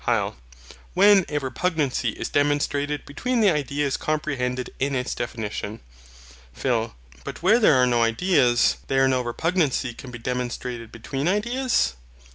HYL. When a repugnancy is demonstrated between the ideas comprehended in its definition. PHIL. But where there are no ideas, there no repugnancy can be demonstrated between ideas?